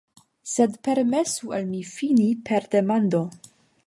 Sed permesu al mi fini per demando.